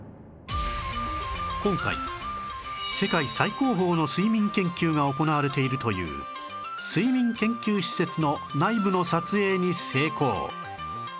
今回世界最高峰の睡眠研究が行われているという睡眠研究施設の内部の撮影に成功！